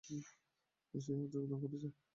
সে আজ যোগদান করছে?